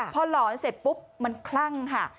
พอหลอนเสร็จปุ๊บมันคลั่งค่ะ